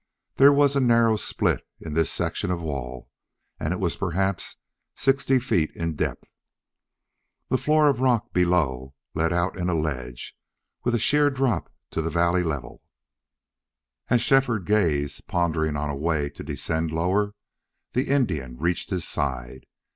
There was a narrow split in this section of wall and it was perhaps sixty feet in depth. The floor of rock below led out in a ledge, with a sheer drop to the valley level. As Shefford gazed, pondering on a way to descend lower, the Indian reached his side.